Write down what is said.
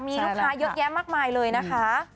มีลูกค้าเยอะแยะมากมายเลยนะคะ